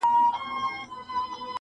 ژبه کي توان یې د ویلو نسته چپ پاته دی,